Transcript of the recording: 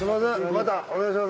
またお願いします。